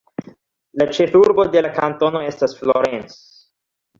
La ĉefurbo de la kantono estas Florence.